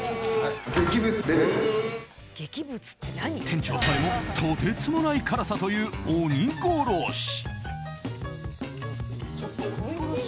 店長さえもとてつもない辛さという鬼殺し。